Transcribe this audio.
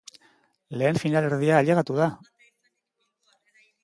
Lehen finalerdia ailegatu da!